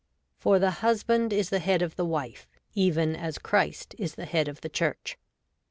For the husband is the head of the wife, even as Christ is the head of the Church